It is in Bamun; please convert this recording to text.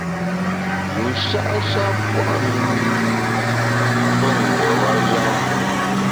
Yusha’ sha pua’ mi pe ngeba yam.